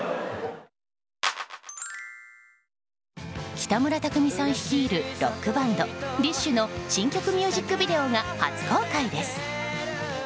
北村匠海さん率いるロックバンド、ＤＩＳＨ／／の新曲ミュージックビデオが初公開です。